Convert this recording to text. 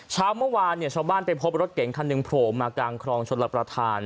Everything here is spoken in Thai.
เช้าเมื่อวานเนี่ยชาวบ้านไปพบรถเก่งคันหนึ่งโผล่มากลางคลองชนรับประทาน